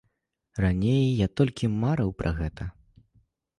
Раней я толькі марыў пра гэта.